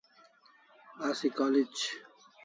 Asi college